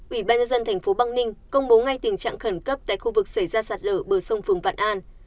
ủy ban nhân dân thành phố băng ninh công bố ngay tình trạng khẩn cấp tại khu vực xảy ra sạt lở bờ sông phường vạn an